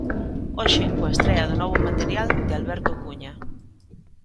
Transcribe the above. Hoxe, coa estrea do novo material de Alberto Cuña.